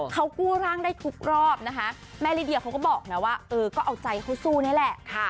เขากู้ร่างได้ทุกรอบนะคะแม่ลิเดียเขาก็บอกนะว่าเออก็เอาใจเขาสู้นี่แหละ